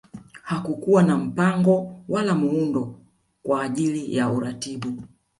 Hakukuwa na mpango wala muundo kwa ajili ya kuratibu